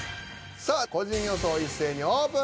さあ個人予想一斉にオープン。